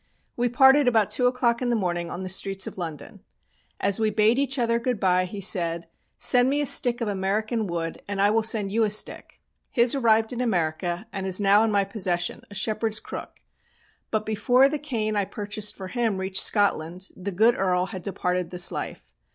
We parted about two o'clock in the morning in the streets of London. As we bade each other good bye he said, "Send me a stick of American wood and I will send you a stick." His arrived in America, and is now in my possession, a shepherd's crook; but before the cane I purchased for him reached Scotland the good Earl had departed this life.